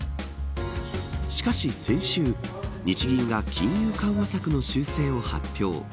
しかし、先週日銀が金融緩和策の修正を発表。